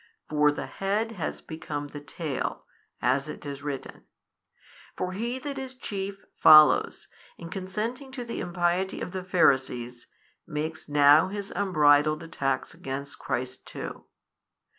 For the head has become the tail, as it is written. For he that is chief follows, and consenting to the impiety of the Pharisees, makes now his unbridled attacks against Christ too.